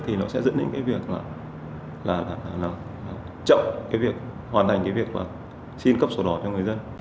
thì nó sẽ dẫn đến cái việc là chậm cái việc hoàn thành cái việc mà xin cấp sổ đỏ cho người dân